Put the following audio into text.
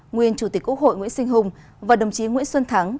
nguyên chủ tịch quốc hội nguyễn sinh hùng và đồng chí nguyễn xuân thắng